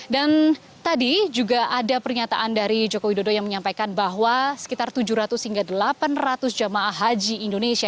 dan tadi juga ada pernyataan dari joko widodo yang menyampaikan bahwa sekitar tujuh ratus hingga delapan ratus jamaah haji indonesia